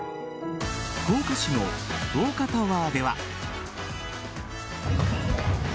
福岡市の福岡タワーでは。